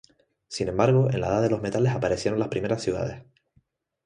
Sin embargo, en la Edad de los Metales aparecieron las primeras ciudades.